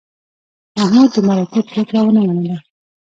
محمود د مرکې پرېکړه ونه منله.